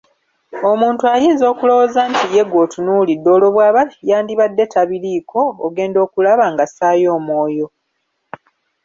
Omuntu ayinza okulowooza nti ye gw'otunuulidde olwo bw'aba yandibadde tabiriiko, ogenda okula ng'assaayo omwoyo.